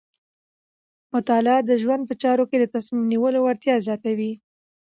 مطالعه د ژوند په چارو کې د تصمیم نیولو وړتیا زیاتوي.